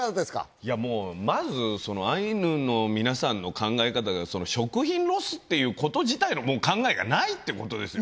いやもうまずアイヌの皆さんの考え方が食品ロスっていうこと自体の考えがないってことですよね。